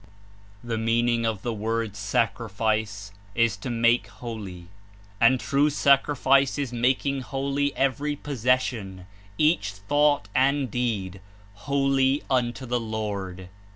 The meaning of the word "sacrifice" is to make holy, and true sacrifice is making holy every posses sion, each thought and deed — "holy unto the Lord."